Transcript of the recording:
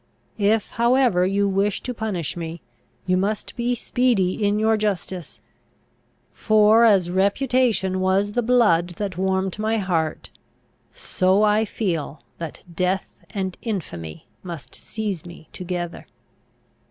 If however you wish to punish me, you must be speedy in your justice; for, as reputation was the blood that warmed my heart, so I feel that death and infamy must seize me together."